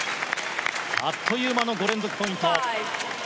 あっという間の５連続ポイント。